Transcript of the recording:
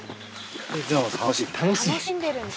楽しい？